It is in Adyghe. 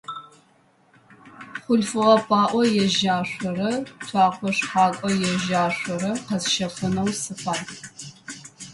Хъулъфыгъэ паӏо ежьашъорэ цокъэ шъхьэко ежьашъорэ къэсщэфынэу сыфай.